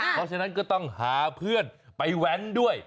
เพราะฉะนั้นก็ต้องหาเพื่อนไปแว้นด้วย